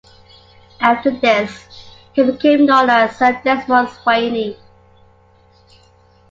After this he became known as Sir Desmond Swayne.